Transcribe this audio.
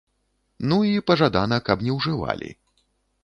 Ну і, пажадана, каб не ўжывалі.